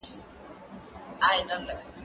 زه به سبا کتاب وليکم!؟!؟